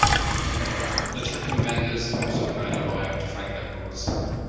The taco vendors have also hired a lawyer to fight their cause.